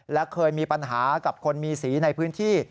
และเคยมีปัญหากับคนมีสีในพื้นที่